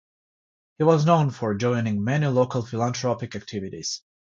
He was known for joining many local philanthropic activities.